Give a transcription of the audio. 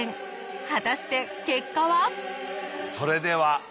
果たして結果は！？